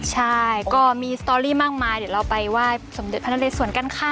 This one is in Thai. ใช่ก็มีสตอรี่มากมายเดี๋ยวเราไปไหว้สมเด็จพระนเรสวนกันค่ะ